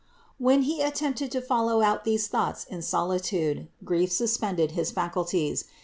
When he attempted to follow out these thoughts in solitude, grief suspended his faculties.